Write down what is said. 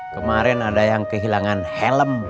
kemarin ada yang kehilangan helm